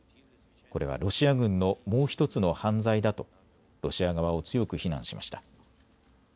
これはロシア軍のもう１つの犯罪だとロシア側を強く非難しました。